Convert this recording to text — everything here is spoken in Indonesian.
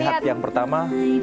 kita lihat yang pertama